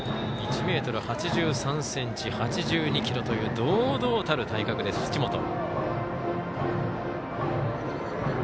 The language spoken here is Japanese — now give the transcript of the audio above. １ｍ８３ｃｍ８２ｋｇという堂々たる体格です、淵本。